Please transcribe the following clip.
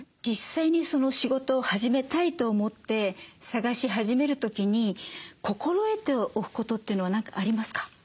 実際に仕事を始めたいと思って探し始める時に心得ておくことというのは何かありますか？